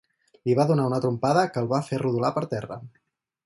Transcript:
Li va donar una trompada que el va fer rodolar per terra.